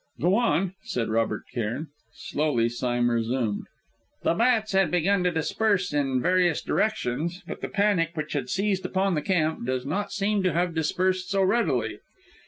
"Go on," said Robert Cairn. Slowly Sime resumed: "The bats had begun to disperse in various directions, but the panic which had seized upon the camp does not seem to have dispersed so readily.